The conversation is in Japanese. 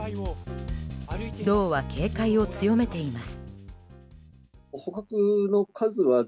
道は警戒を強めています。